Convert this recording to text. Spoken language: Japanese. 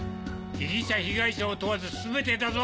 被疑者被害者を問わず全てだぞ。